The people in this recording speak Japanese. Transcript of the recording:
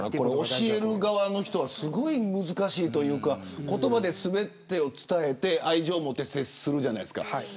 教える側の人はすごく難しいと思うというか言葉で全て伝えて愛情をもって接するじゃないですか。